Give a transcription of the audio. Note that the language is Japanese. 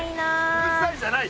うるさいじゃない！